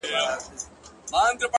o زړه مي له رباب سره ياري کوي ـ